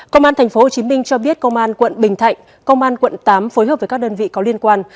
công an tp hcm cho biết công an quận bình thạnh công an quận tám phối hợp với các đơn vị có liên quan